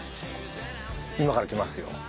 今から来ますよ。